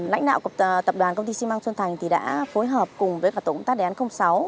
lãnh đạo tập đoàn công ty xi măng xuân thành đã phối hợp cùng với tổ công tác đề án sáu